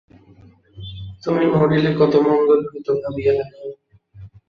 তুমি মরিলে কত মঙ্গল হইত ভাবিয়া দেখো।